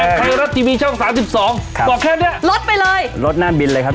ฮายรัฐที่วีช่อง๓๒ออกแค่เนี้ยรถไปเลยรถหน้าบิลเลยครับ